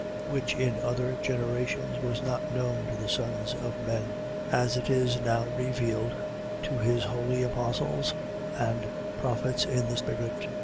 Which in other generations was not known to the sons of men, as it is now revealed to his holy apostles and prophets in the Spirit: 3:6.